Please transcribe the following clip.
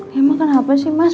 ya kenapa sih mas